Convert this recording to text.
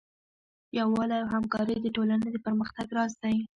یووالی او همکاري د ټولنې د پرمختګ راز دی.